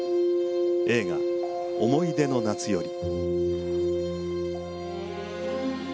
映画「おもいでの夏」より。